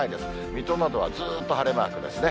水戸などはずっと晴れマークですね。